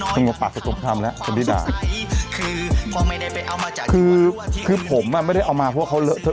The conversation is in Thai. จนกว่าปากจะตกทำแล้วจะได้ด่าคือคือผมอ่ะไม่ได้เอามาเพราะว่าเขา